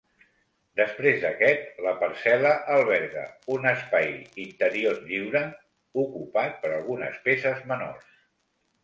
Després d'aquest, la parcel·la alberga un espai interior lliure ocupat per algunes peces menors.